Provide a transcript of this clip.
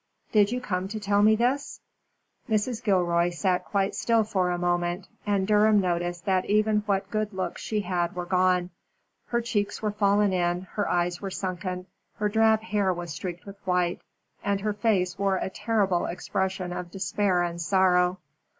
"Did you come to tell me this?" Mrs. Gilroy sat quite still for a moment, and Durham noticed that even what good looks she had were gone. Her cheeks were fallen in, her eyes were sunken, her drab hair was streaked with white, and her face wore a terrible expression of despair and sorrow.